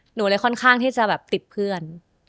หนูเลยค่อนข้างที่จะแบบติดเพื่อน